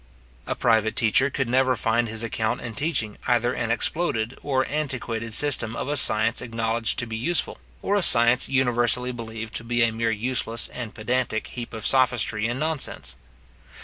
A private teacher could never find his account in teaching either an exploded and antiquated system of a science acknowledged to be useful, or a science universally believed to be a mere useless and pedantic heap of sophistry and nonsense.